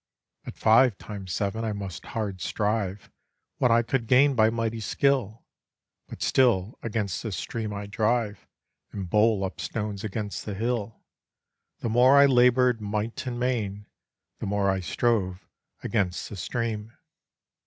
At five times seven I must hard strive, What I could gain by mighty skill; But still against the stream I drive, And bowl up stones against the hill; The more I laboured might and main, The more I strove against the stream.